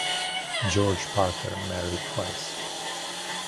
George Parker married twice.